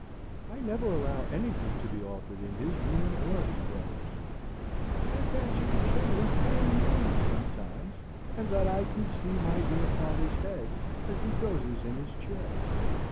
I never allow anything to be altered in his room or his brother's. I fancy the children playing near me sometimes, and that I can see my dear father's head as he dozes in his chair.